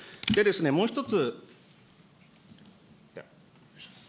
もう１つ。